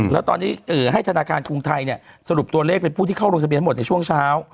แล้วตอนนี้ให้ธนาคารกรุงไทยสรุปตัวเลขเป็นผู้ที่เข้าลงทะเบียนหมดในช่วงเช้า